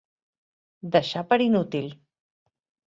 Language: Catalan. Deixar per inútil.